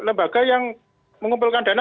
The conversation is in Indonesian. lembaga yang mengumpulkan dana